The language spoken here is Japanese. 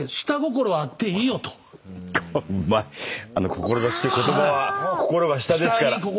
「志」っていう言葉は心が下ですから。